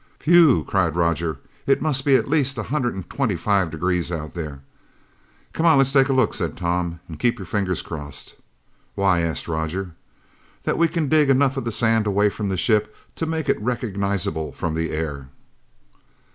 "Whew!" cried Roger. "It must be at least a hundred and twenty five degrees out there!" "Come on. Let's take a look," said Tom. "And keep your fingers crossed!" "Why?" asked Roger. "That we can dig enough of the sand away from the ship to make it recognizable from the air."